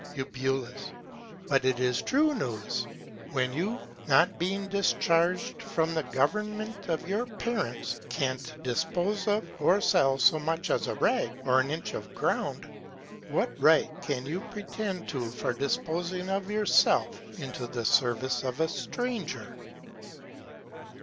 Eu. But it is true News. When you, not being discharg'd from the Government of your Parents, can't dispose of, or sell so much as a Rag, or an Inch of Ground, what Right can you pretend to for disposing of yourself into the Service of a Stranger?